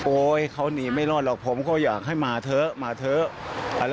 เขาหนีไม่รอดหรอกผมก็อยากให้มาเถอะมาเถอะ